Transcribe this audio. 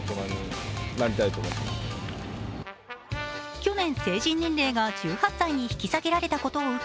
去年、成人年齢が１８歳に引き下げられたことを受け